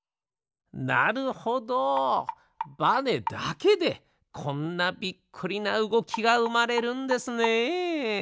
なるほどバネだけでこんなびっくりなうごきがうまれるんですね。